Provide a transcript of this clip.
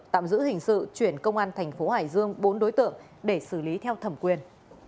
tạm giữ hình sự chuyển công an thành phố hải dương bốn đối tượng để xử lý theo thẩm quyền